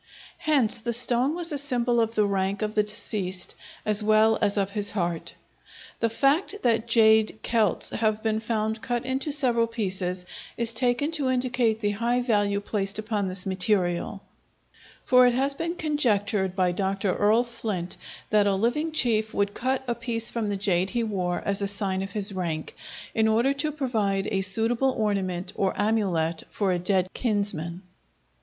Hence, the stone was a symbol of the rank of the deceased as well as of his heart. The fact that jade celts have been found cut into several pieces is taken to indicate the high value placed upon this material; for it has been conjectured by Dr. Earle Flint, that a living chief would cut a piece from the jade he wore as a sign of his rank, in order to provide a suitable ornament or amulet for a dead kinsman.